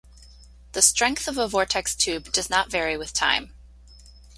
The strength of a vortex tube does not vary with time.